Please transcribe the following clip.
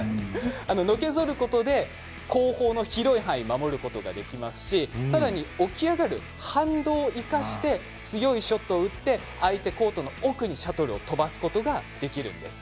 のけぞることで後方の広い範囲を守ることができますしさらに起き上がる反動を生かして強いショットを打って相手コートの奥にシャトルを飛ばすことができるんです。